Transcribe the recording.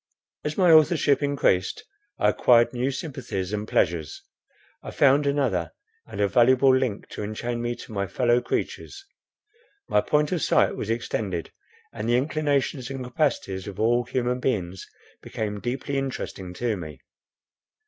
As my authorship increased, I acquired new sympathies and pleasures. I found another and a valuable link to enchain me to my fellow creatures; my point of sight was extended, and the inclinations and capacities of all human beings became deeply interesting to me.